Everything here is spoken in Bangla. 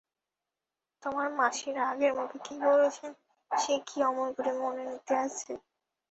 তোমার মাসি রাগের মুখে কী বলেছেন, সে কি অমন করে মনে নিতে আছে।